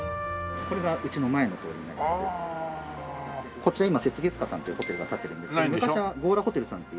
こちら今雪月花さんというホテルが立ってるんですけど昔は強羅ホテルさんっていう。